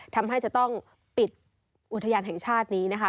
ทำให้จะต้องปิดอุทยานแห่งชาตินี้นะคะ